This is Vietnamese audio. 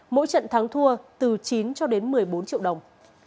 mỗi trận thắng thua từ chín cho đến một mươi bốn triệu đồng